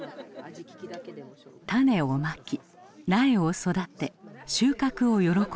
種をまき苗を育て収穫を喜び合う。